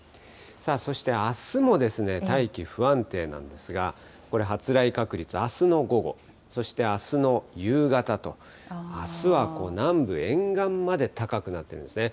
そして、あすも大気不安定なんですが、これ発雷確率、あすの午後、そしてあすの夕方と、あすは南部沿岸まで高くなっていますね。